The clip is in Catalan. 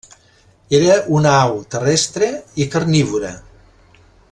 Era una au terrestre i carnívora.